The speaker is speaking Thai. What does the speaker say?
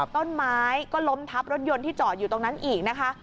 ต้นไม้ก็ล้มทับรถยนต์ที่จอดอยู่ตรงนั้นอีกนะคะ